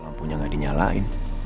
lampunya nggak dinyalain